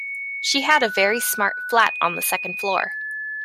She had a very smart flat on the second floor